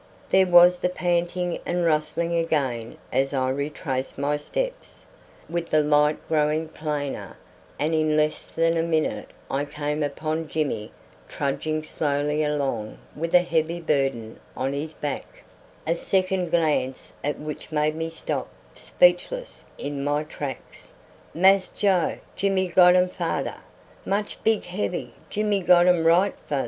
There was the panting and rustling again as I retraced my steps, with the light growing plainer, and in less than a minute I came upon Jimmy trudging slowly along with a heavy burden on his back, a second glance at which made me stop speechless in my tracks. "Mass Joe! Jimmy got um fader. Much big heavy. Jimmy got um right fas'."